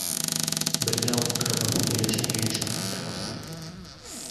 Бергә ултырырбыҙ, һөйләшә-һөйләшә ҡайтырбыҙ.